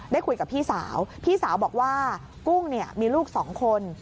ได้คุยกับพี่สาวพี่สาวบอกว่ากุ้งเนี่ยมีลูกสองคน